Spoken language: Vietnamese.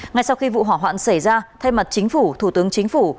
ngay sau khi vụ hỏa hoạn xảy ra thay mặt chính phủ thủ tướng chính phủ